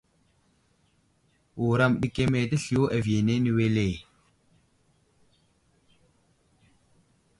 Wuram ɗi keme təsliyo aviyene wele.